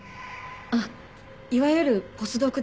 あっいわゆるポスドクです。